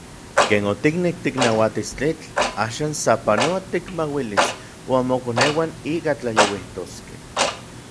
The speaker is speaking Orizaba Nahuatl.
Ken otiknek tiknauatis tlitl, axan sapanoa tikmauilis uan mokoneuan ika tlajyouijtoskej.